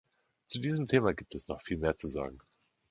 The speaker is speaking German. Zu diesem Thema gibt es noch viel mehr zu sagen.